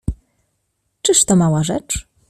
Czyż to mała rzecz?